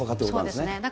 そうですね。